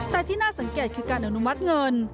แต่ที่น่าสังเกตคือการอนุมัติเงิน